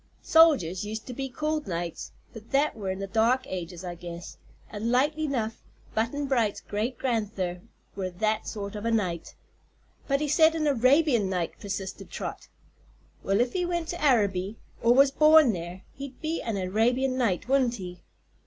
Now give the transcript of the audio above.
Soldiers used to be called knights, but that were in the dark ages, I guess, an' likely 'nough Butt'n Bright's great gran'ther were that sort of a knight." "But he said an Arabian Knight," persisted Trot. "Well, if he went to Araby, or was born there, he'd be an Arabian Knight, wouldn't he?